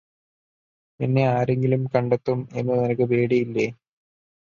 നിന്നെ ആരെങ്കിലും കണ്ടെത്തും എന്ന് നിനക്ക് പേടിയില്ലേ